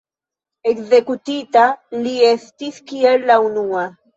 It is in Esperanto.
Ekzekutita li estis kiel la unua.